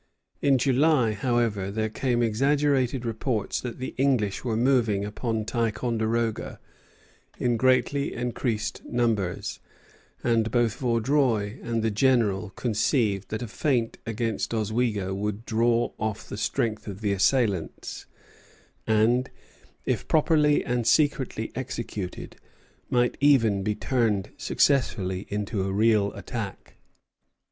In July, however, there came exaggerated reports that the English were moving upon Ticonderoga in greatly increased numbers; and both Vaudreuil and the General conceived that a feint against Oswego would draw off the strength of the assailants, and, if promptly and secretly executed, might even be turned successfully into a real attack.